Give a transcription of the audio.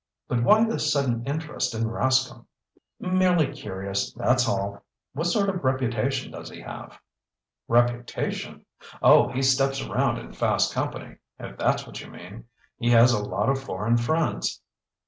But why this sudden interest in Rascomb?" "Merely curious, that's all. What sort of reputation does he have?" "Reputation? Oh, he steps around in fast company, if that's what you mean. He has a lot of foreign friends."